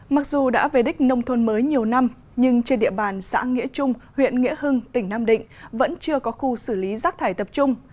mặc dù đã về đích nông thôn mới nhiều năm nhưng trên địa bàn xã nghĩa trung huyện nghĩa hưng tỉnh nam định vẫn chưa có khu xử lý rác thải tập trung